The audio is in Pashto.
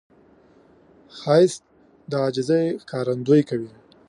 ښایست د عاجزي ښکارندویي کوي